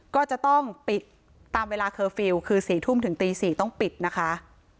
ก็จะต้องปิดตามเวลาเคอร์ฟิลล์คือ๔ทุ่มถึงตี๔ต้องปิดนะคะ